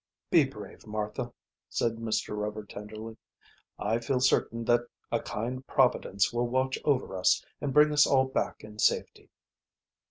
"Be brave, Martha," said Mr. Rover tenderly. "I feel certain that a kind Providence will watch over us and bring us all back in safety."